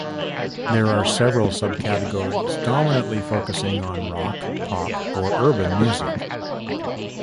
There are several subcategories, dominantly focusing on rock, pop, or urban music.